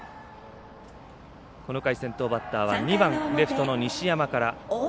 この回、先頭バッターは２番レフトの西山から。